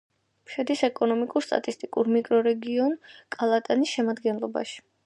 შედის ეკონომიკურ-სტატისტიკურ მიკრორეგიონ კატალანის შემადგენლობაში.